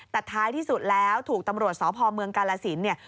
แต่ท้ายที่สุดแล้วถูกตำรวจสพเมืองกาลสินเนี่ย